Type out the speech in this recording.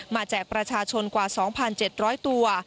แจกประชาชนกว่า๒๗๐๐ตัว